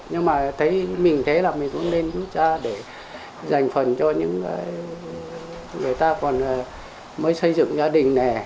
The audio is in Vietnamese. nhưng mà thấy mình thế là mình cũng nên chúng ta để dành phần cho những người ta còn mới xây dựng gia đình này